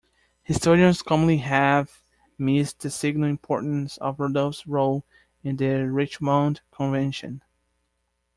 Historians commonly have missed the signal importance of Randolph's role in the Richmond Convention.